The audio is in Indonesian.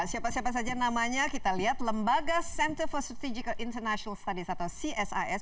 siapa siapa saja namanya kita lihat lembaga center for strategical international studies atau csis